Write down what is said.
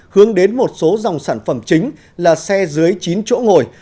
hướng đến một số dòng sản phẩm chính là xe dưới chín chỗ ngồi